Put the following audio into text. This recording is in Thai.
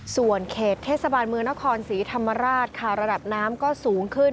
ส่วนเขตเทศบาลเมืองนครศรีธรรมราชค่ะระดับน้ำก็สูงขึ้น